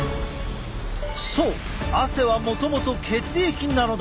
そう汗はもともと血液なのだ。